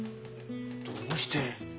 どうして？